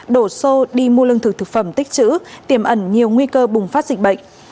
đổ xô đi mua lương thực thực phẩm tích chữ tiềm ẩn nhiều nguy cơ bùng phát dịch bệnh